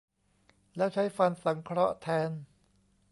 แล้วใช้ฟันสังเคราะห์แทน